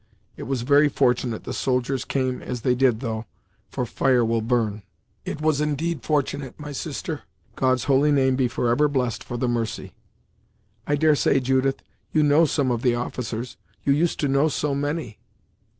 It was very fortunate the soldiers came as they did though, for fire will burn!" "It was indeed fortunate, my sister; God's holy name be forever blessed for the mercy!" "I dare say, Judith, you know some of the officers; you used to know so many!"